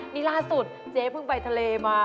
นี่ล่าสุดเจ๊เพิ่งไปทะเลมา